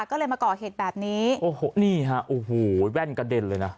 ก็เลยมาก่อเหตุแบบนี้โอ้โหนี่ฮะโอ้โหแว่นกระเด็นเลยนะ